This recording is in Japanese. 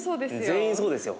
全員そうですよ